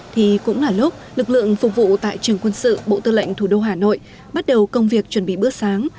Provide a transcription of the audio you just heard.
thì cũng là lúc lực lượng phục vụ tại trường quân sự bộ tư lệnh thủ đô hà nội bắt đầu công việc chuẩn bị bữa sáng